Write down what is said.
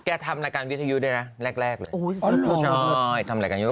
แกทำรายการวิทยุได้นะแรกเลยใช่ทำรายการวิทยุ